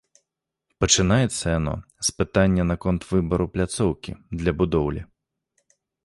Пачынаецца яно з пытання наконт выбару пляцоўкі для будоўлі.